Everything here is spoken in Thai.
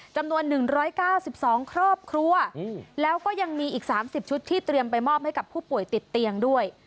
จำนวน๑๙๒ครอบครัวแล้วก็ยังมีอีก๓๐ชุดที่เตรียมไปมอบให้กับผู้ป่วยติดเตียงด้วย